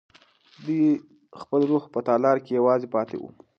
دی د خپل روح په تالار کې یوازې پاتې و.